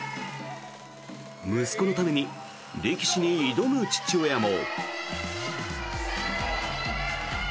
息子のために力士に挑む父親も。